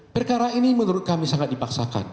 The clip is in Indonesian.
perkara ini menurut kami sangat dipaksakan